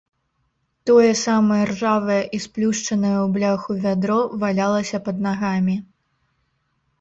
Тое самае ржавае і сплюшчанае ў бляху вядро валялася пад нагамі.